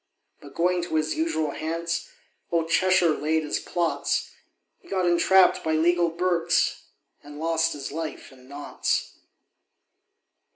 But going to his usual Hants, Old Cheshire laid his plots: He got entrapp'd by legal Berks, And lost his life in Notts.